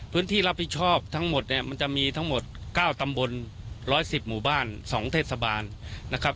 พื้นที่รับผิดชอบทั้งหมดเนี่ยมันจะมีทั้งหมด๙ตำบล๑๑๐หมู่บ้าน๒เทศบาลนะครับ